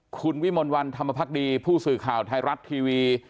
คุณวิลาววนถามพระพรรคดีผู้สื่อข่าวไทยรัตน์ทีวี